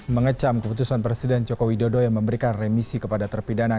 mengecam keputusan presiden joko widodo yang memberikan remisi kepada terpidana